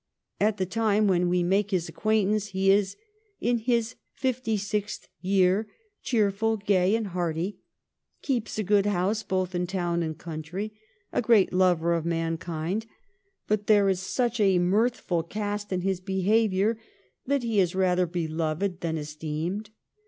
At the time when we make his acquaintance he is ' in his fifty sixth year, cheerful, gay, and hearty ; keeps a good house both in town and country ; a great lover of mankind ; but there is such a mirthful cast in his behaviour that he is rather beloved than esteemed.'